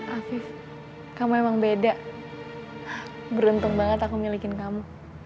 afif kamu emang beda beruntung banget aku milikin kamu